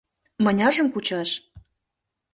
Мыняржым кучаш?